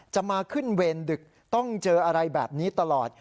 มาขึ้นเวรดึกต้องเจออะไรแบบนี้ตลอด